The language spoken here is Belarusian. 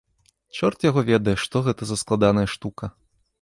Чорт яго ведае, што гэта за складаная штука.